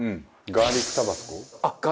ガーリックタバスコ。